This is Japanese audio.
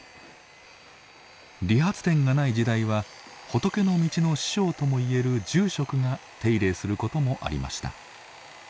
理髪店がない時代は仏の道の師匠ともいえる住職が手入れすることもありました。